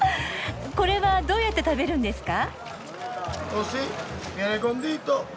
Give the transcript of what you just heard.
これはどうやって食べるんですか？